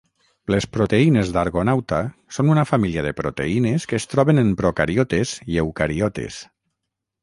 Les proteïnes d'argonauta són una família de proteïnes que es troben en procariotes i eucariotes.